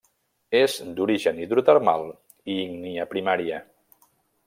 És d'origen hidrotermal i ígnia primària.